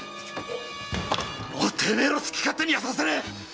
もうてめえの好き勝手にはさせねえ！